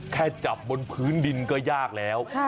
แค่จับบนพื้นดินก็ยากแล้ว